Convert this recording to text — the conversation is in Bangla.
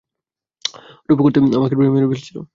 রুপক অর্থে আমাকে প্রায় মেরে ফেলছিল।